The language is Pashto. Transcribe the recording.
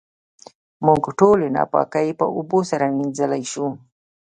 موږ ټولې ناپاکۍ په اوبو سره وېنځلی شو.